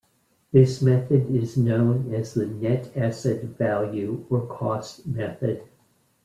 This method is known as the net asset value or cost method.